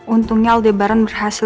untungnya aldebaran berhasil